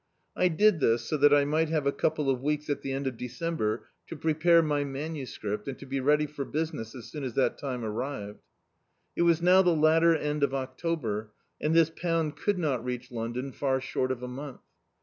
I did this so that I mi^t have a couple of weeks at the end of December to prepare my MS. and to be ready for business as soon as that time arrived. It was now die latter end of October, and this pound could not reach London far short of a month.